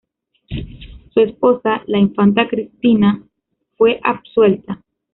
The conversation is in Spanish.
Su esposa, la infanta Cristina fue absuelta.